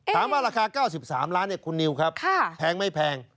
ถามว่าราคา๙๓ล้านเนี่ยคุณนิวครับแพงไม่แพง